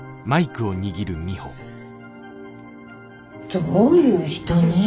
どういう人ねぇ。